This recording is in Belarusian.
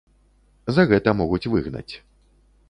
За гэта могуць выгнаць.